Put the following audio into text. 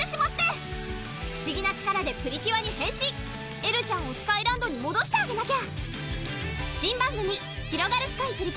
エルちゃんをスカイランドにもどしてあげなきゃ！